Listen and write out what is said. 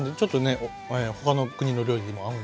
他の国の料理にも合うんですよね。